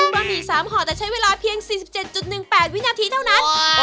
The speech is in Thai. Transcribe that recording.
บะหมี่๓ห่อแต่ใช้เวลาเพียง๔๗๑๘วินาทีเท่านั้น